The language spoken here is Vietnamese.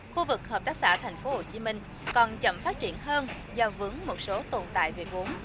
khu vực hợp tác xã tp hcm còn chậm phát triển hơn do vướng một số tồn tại về vốn